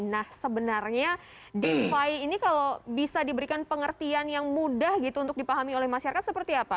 nah sebenarnya defi ini kalau bisa diberikan pengertian yang mudah gitu untuk dipahami oleh masyarakat seperti apa